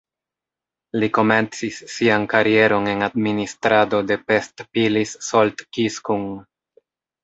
Li komencis sian karieron en administrado de Pest-Pilis-Solt-Kiskun.